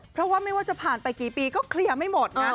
เพราะว่าไม่ว่าจะผ่านไปกี่ปีก็เคลียร์ไม่หมดนะ